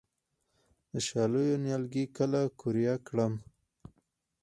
د شالیو نیالګي کله قوریه کړم؟